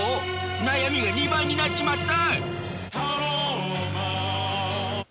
悩みが２倍になっちまった！